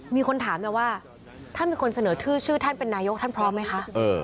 มีคนถามนะว่าถ้ามีคนเสนอชื่อชื่อท่านเป็นนายกท่านพร้อมไหมคะ